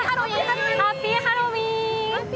ハッピーハロウィーン！